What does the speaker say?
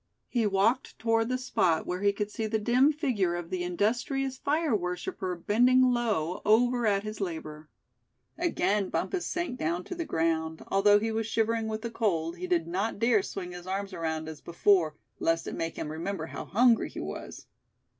He walked toward the spot where he could see the dim figure of the industrious fire worshipper bending low over at his labor. Again Bumpus sank down to the ground; although he was shivering with the cold, he did not dare swing his arms around as before, lest it make him remember how hungry he was.